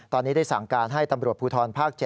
ตอนนี้ได้สั่งการให้ตำรวจภูทรภาค๗